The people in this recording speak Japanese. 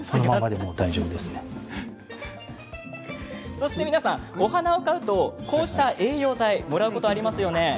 そして皆さん、お花を買うとこうした栄養剤もらうことありますよね。